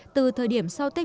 từ thời điểm sau tích